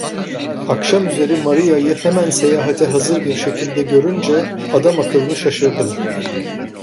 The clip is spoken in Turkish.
Akşamüzeri Maria'yı hemen seyahate hazır bir şekilde görünce adamakıllı şaşırdım.